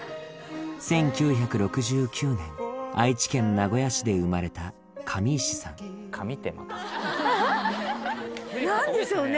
１９６９年愛知県名古屋市で生まれた上石さん何でしょうね？